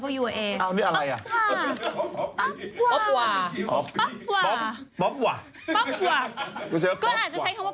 เมื่อไหร่วะเยอะ